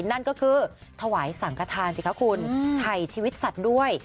นั่นก็คือถวายสังขทานสิคะคุณถ่ายชีวิตสัตว์ด้วย